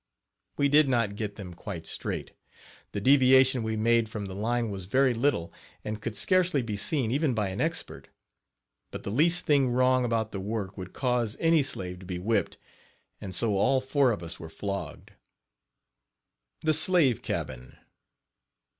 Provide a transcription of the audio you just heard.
We did not get them quite straight. The deviation we made from the line was very little, and could scarcely be seen, even by an expert; but the least thing wrong about the work would cause any slave to be whipped, and so all four of us were flogged. THE SLAVE CABIN.